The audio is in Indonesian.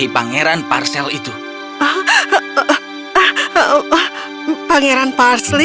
aku akan membiarkanmu menikahi pangeran parsley